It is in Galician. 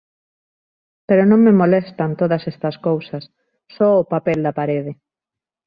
Pero non me molestan todas estas cousas, só o papel da parede.